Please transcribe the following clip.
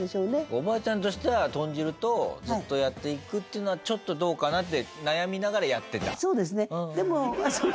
おばあちゃんとしてはとん汁とずっとやっていくっていうのはちょっとどうかなって。